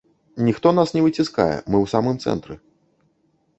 Ніхто нас не выціскае, мы ў самым цэнтры.